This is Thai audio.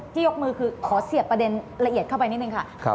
ยกมือคือขอเสียบประเด็นละเอียดเข้าไปนิดนึงค่ะ